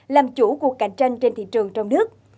làm chủ cuộc cạnh tranh trên thị trường trong nước